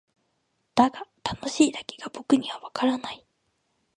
だが「楽しい」だけが僕にはわからない。